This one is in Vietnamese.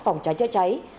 phòng cháy cháy cháy